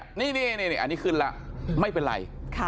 อันนี้ขึ้นแล้วไม่เป็นไร